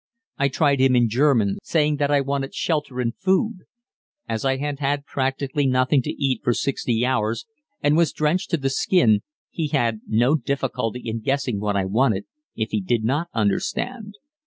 I tried him in German, saying that I wanted shelter and food. As I had had practically nothing to eat for sixty hours, and was drenched to the skin, he had no difficulty in guessing what I wanted, if he did not understand.